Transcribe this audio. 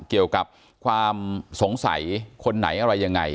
เกี่ยวกับความสงสัยคนไหนอะไรยังไง